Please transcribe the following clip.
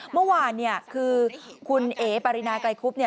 เมื่อวานคือคุณเอ๋ปารินาไกลคุบ